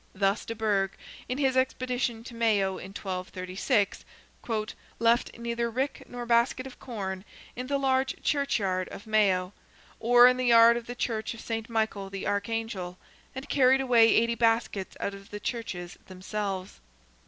Thus de Burgh, in his expedition to Mayo, in 1236, "left neither rick nor basket of corn in the large churchyard of Mayo, or in the yard of the Church of Saint Michael the Archangel, and carried away eighty baskets out of the churches themselves."